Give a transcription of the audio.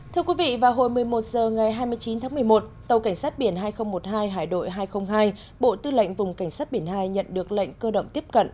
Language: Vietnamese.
thưa quý vị vào hồi một mươi một h ngày hai mươi chín tháng một mươi một tàu cảnh sát biển hai nghìn một mươi hai hải đội hai trăm linh hai bộ tư lệnh vùng cảnh sát biển hai nhận được lệnh cơ động tiếp cận